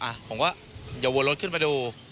ผมก็อย่าวนรถขึ้นมาดู